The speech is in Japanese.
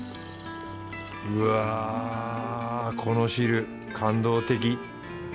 わぁこの汁感動的。